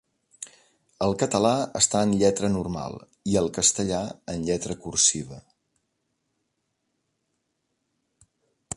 El català està en lletra normal i el castellà en lletra cursiva.